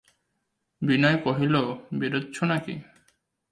বিনয় কহিল, বেরোচ্ছ নাকি?